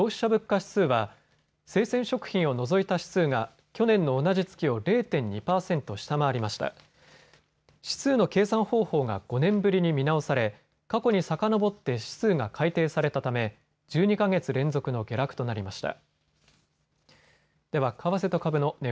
指数の計算方法が５年ぶりに見直され、過去にさかのぼって指数が改定されたため１２か月連続の下落となりました。